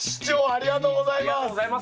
ありがとうございます。